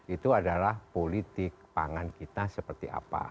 itu adalah politik pangan kita seperti apa